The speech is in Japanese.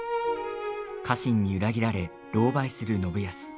家臣に裏切られろうばいする信康。